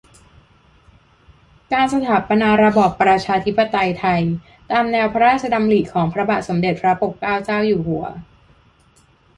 การสถาปนาระบอบประชาธิปไตยไทย ตามแนวพระราชดำริของพระบาทสมเด็จพระปกเกล้าเจ้าอยู่หัว